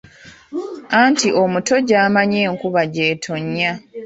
Anti omuto gyamanyi enkuba gy'ettonya.